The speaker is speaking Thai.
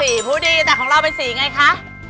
ผู้ดีแต่ของเราเป็นสีไงคะ